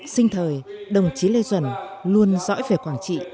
sinh thời đồng chí lê duẩn luôn dõi về quảng trị